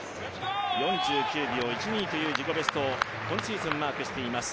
４９秒１２という自己ベストを今シーズンマークしています。